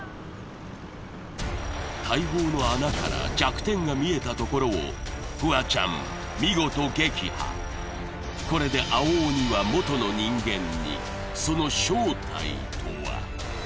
大砲の穴から弱点が見えたところをフワちゃん見事撃破これで青鬼は元の人間にその正体とは？